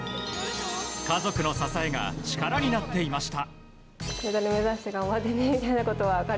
家族の支えが力になっていました。